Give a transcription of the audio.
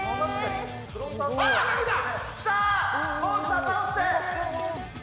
来たー、モンスター、倒して。